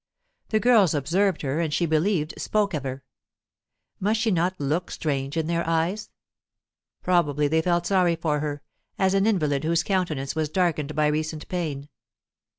The girls observed her, and, she believed, spoke of her. Must she not look strange in their eyes? Probably they felt sorry for her, as an invalid whose countenance was darkened by recent pain.